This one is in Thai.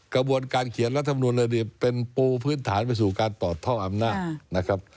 กระบวนการเขียนรัฐธรรมนุษย์เป็นปูพื้นฐานไปสู่การต่อท่ออำนาจ